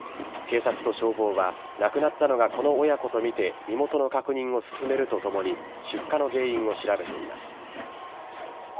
警察と消防は亡くなったのがこの親子とみて身元の確認を進めるとともに出火の原因を調べています。